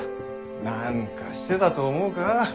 何かしてたと思うか？